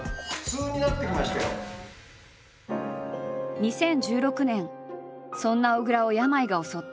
２０１６年そんな小倉を病が襲った。